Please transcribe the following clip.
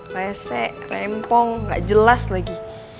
rese rempong gak jelas lagi